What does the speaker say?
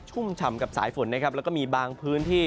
ุ่มฉ่ำกับสายฝนนะครับแล้วก็มีบางพื้นที่